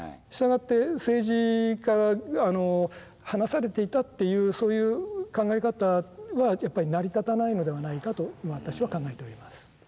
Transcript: したがって政治から離されていたっていうそういう考え方はやっぱり成り立たないのではないかと私は考えております。